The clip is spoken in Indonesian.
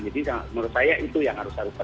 jadi menurut saya itu yang harus